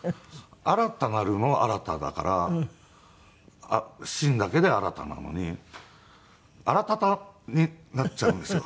「新たなる」の「新」だから「新」だけで新なのにアラタタになっちゃうんですよ